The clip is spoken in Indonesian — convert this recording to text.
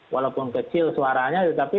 walaupun kecil suaranya tetapi